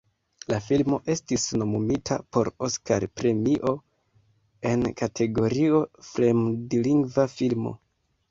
La filmo estis nomumita por Oskar-premio en kategorio "fremdlingva filmo".